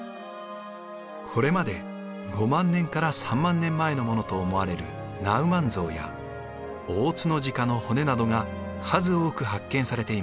これまで５万年から３万年前のものと思われるナウマンゾウやオオツノジカの骨などが数多く発見されています。